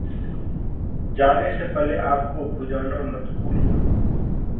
जाने से पहले आग को भुजाना मत भूलना।